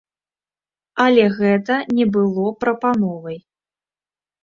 Але гэта не было прапановай.